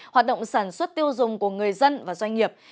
hoạt động sản xuất tiêu dùng của người dân và doanh nghiệp